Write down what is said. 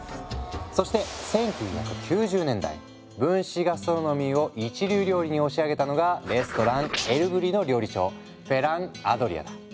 そして１９９０年代分子ガストロノミーを一流料理に押し上げたのがレストラン「エルブリ」の料理長フェラン・アドリアだ。